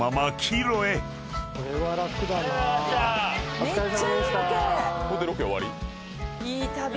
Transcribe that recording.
お疲れさまでした！